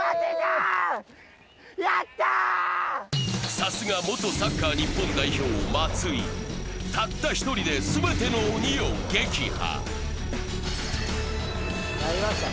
さすが元サッカー日本代表・松井たった１人で全ての鬼を撃破。